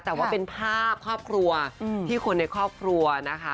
แต่ว่าเป็นภาพครอบครัวที่คนในครอบครัวนะคะ